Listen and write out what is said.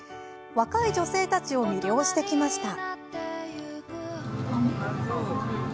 若い女性たちを魅了してきました。